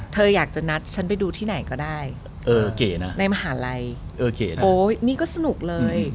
เธออยากจะนัดฉันไปดูที่ไหนก็ได้ในมหาลัยโอ้ยนี่ก็สนุกเลย